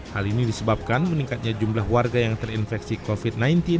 hal ini disebabkan meningkatnya jumlah warga yang terinfeksi covid sembilan belas